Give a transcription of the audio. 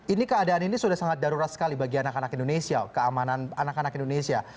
ini keadaan ini sudah sangat darurat sekali bagi anak anak indonesia keamanan anak anak indonesia